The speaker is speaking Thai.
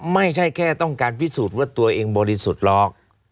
ไม่ใช่แค่ต้องการพิสูจน์ว่าตัวเองบริสุทธิ์หรอก